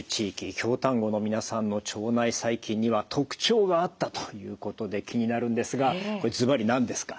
京丹後の皆さんの腸内細菌には特徴があったということで気になるんですがこれずばり何ですか？